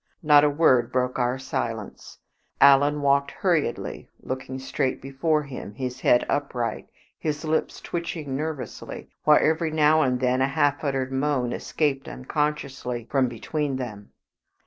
Not a word broke our silence. Alan walked hurriedly, looking straight before him, his head upright, his lips twitching nervously, while every now and then a half uttered moan escaped unconsciously from between them.